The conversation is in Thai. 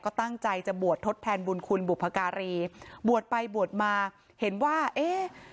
ก็ตั้งใจจะบวชทดแทนบุญคุณบุพการีบวชไปบวชมาเห็นว่าเอ๊ะ